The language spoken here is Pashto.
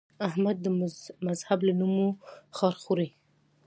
احمد د مذهب له نومه خار خوري.